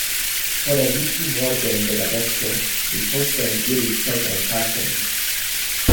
Por eviti mordojn de la besto, mi posten iris kelkajn paŝojn.